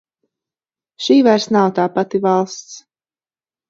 Šī vairs nav tā pati valsts.